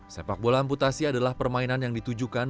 sepak bola amputasi adalah permainan yang ditujukan